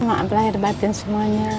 maaf lahir batin semuanya